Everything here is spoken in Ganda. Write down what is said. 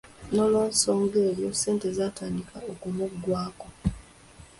N'olw'ensonga eyo, ssente zaatandika okumuggwako.